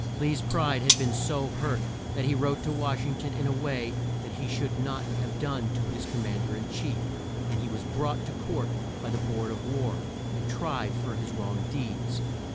Lee's pride had been so hurt that he wrote to Wash ing ton in a way that he should not have done to his Com mand er in chief, and he was brought to court by the Board of War and tried for his wrong deeds.